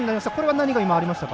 何がありましたか？